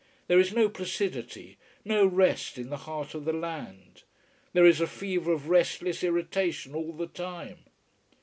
There is no placidity, no rest in the heart of the land. There is a fever of restless irritation all the time.